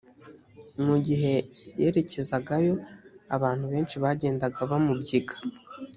mu gihe yerekezagayo abantu benshi bagenda bamubyiga